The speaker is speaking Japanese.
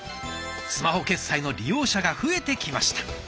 スマホ決済の利用者が増えてきました。